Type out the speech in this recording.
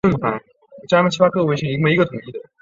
神南是东京都涩谷区的町名。